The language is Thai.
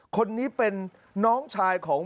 คนนี้เป็นน้องชายของ